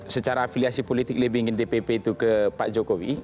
secara afiliasi politik lebih ingin dpp itu ke pak jokowi